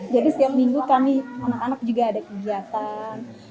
jadi setiap minggu kami anak anak juga ada kegiatan